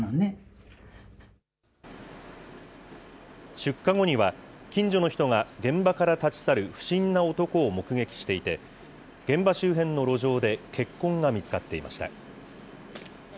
出火後には、近所の人が現場から立ち去る不審な男を目撃していて、現場周辺の路上で血痕が見つかっていました。